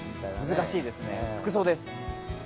難しいですね、服装です。